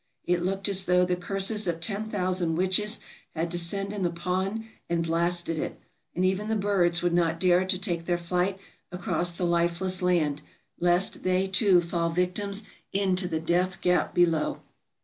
It looked as though the curses of ten thousand witches had descended upon and blasted it, and even the birds would not dare to take their flight across the lifeless land, lest they, too, fall victims into the death gap below.